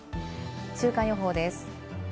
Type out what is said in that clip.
週間予報です。